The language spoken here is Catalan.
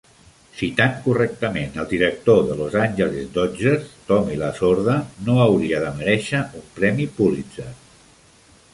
Citant correctament el director de Los Angeles Dodgers, Tommy Lasorda, no hauria de merèixer un premi Pulitzer.